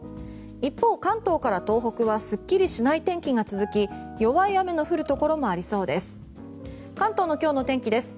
一方、関東から東北はすっきりしない天気が続き弱い雨の降るところもありそうです。